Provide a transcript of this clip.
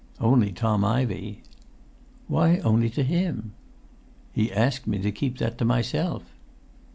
"Only Tom Ivey." "Why only to him?" "He asked me to keep that to myself."